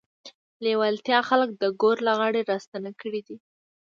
لېوالتیا خلک د ګور له غاړې راستانه کړي دي.